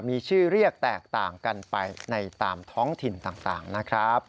มีชื่อเรียกแตกต่างกันไปในตามท้องถิ่นต่างนะครับ